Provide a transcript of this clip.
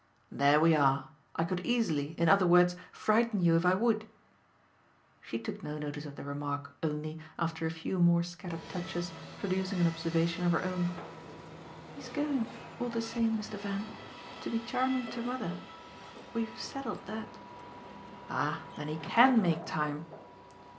"There we are! I could easily, in other words, frighten you if I would." She took no notice of the remark, only, after a few more scattered touches, producing an observation of her own. "He's going, all the same, Mr. Van, to be charming to mother. We've settled that." "Ah then he CAN make time